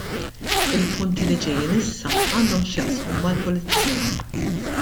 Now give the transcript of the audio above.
Il-punti li ġejjin issa għandhom x'jaqsmu mal-pulizija.